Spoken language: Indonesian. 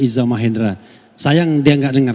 izzah mahendra sayang dia gak dengar